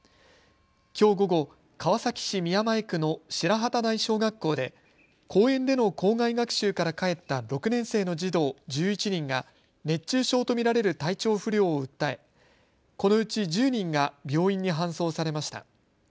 きょう午後、川崎市宮前区の白幡台小学校で公園での校外学習から帰った６年生の児童１１人が熱中症と見られる体調不良を訴え、このうち１０人が病院に搬送されました。